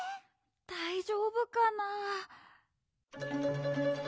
だいじょうぶかな？